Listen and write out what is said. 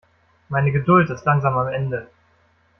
Meine Geduld ist langsam am Ende.